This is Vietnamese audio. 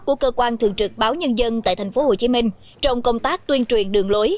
của cơ quan thường trực báo nhân dân tại tp hcm trong công tác tuyên truyền đường lối